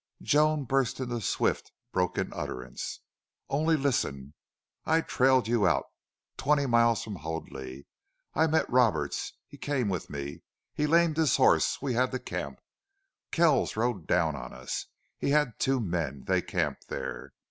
Joan burst into swift, broken utterance: "Only listen! I trailed you out twenty miles from Hoadley. I met Roberts. He came with me. He lamed his horse we had to camp. Kells rode down on us. He had two men. They camped there.